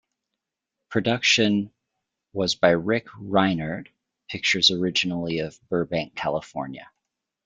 Production was by Rick Reinert Pictures originally of Burbank, California.